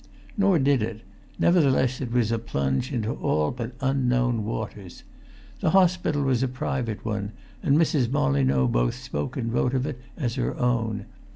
Nor did it; nevertheless it was a plunge into all but unknown waters. The hospital was a private one, and Mrs. Molyneux both spoke and wrote of it as her own.